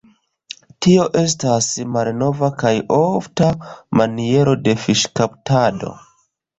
Tio estas malnova kaj ofta maniero de fiŝkaptado.